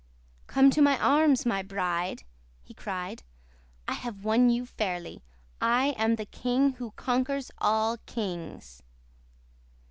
"'Come to my arms, my bride,' he cried. 'I have won you fairly. I am the king who conquers all kings!